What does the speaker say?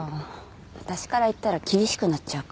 私から言ったら厳しくなっちゃうか。